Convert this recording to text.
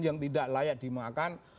yang tidak layak dimakan